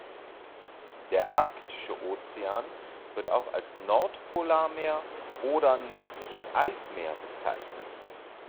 Der Arktische Ozean, wird auch als Nordpolarmeer oder nördliches Eismeer bezeichnet.